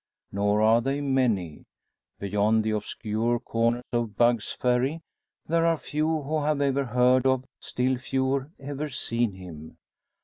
Nor are they many. Beyond the obscure corner of Bugg's Ferry there are few who have ever heard of, still fewer ever seen him.